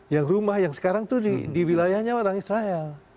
yang rumah yang sekarang itu di wilayahnya orang israel